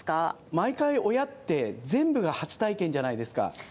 毎回親って、全部が初体験じゃないですか。